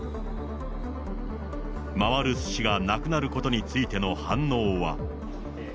回るすしがなくなることについての反応は。